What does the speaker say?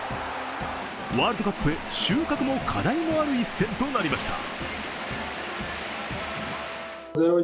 ワールドカップへ収穫も課題もある一戦となりました。